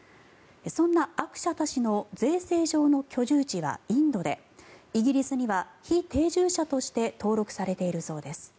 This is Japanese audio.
そんなアクシャタ氏の税制上の居住地はインドでイギリスには非定住者として登録されているそうです。